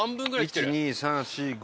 １２３４５。